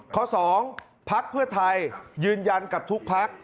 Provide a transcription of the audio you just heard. ข้อ๒ภักดิ์เพื่อไทยยืนยันกับทุกภักดิ์